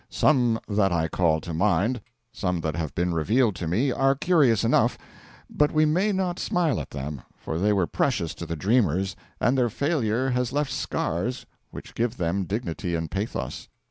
Some that I call to mind, some that have been revealed to me, are curious enough; but we may not smile at them, for they were precious to the dreamers, and their failure has left scars which give them dignity and pathos.